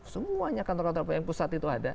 semuanya kantor kantor pn pusat itu ada